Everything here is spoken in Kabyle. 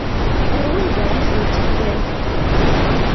Ar wanda i ten-tefkiḍ?